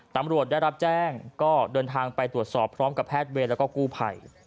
ตำรวจได้รับแจ้งก็เดินทางไปตรวจสอบพร้อมกับแพทย์เวรแล้วก็กู้ภัย